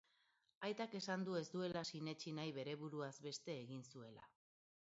Aitak esan du ez duela sinetsi nahi bere buruaz beste egin zuela.